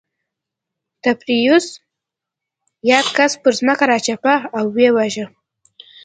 تبریوس یاد کس پر ځمکه راچپه او ویې واژه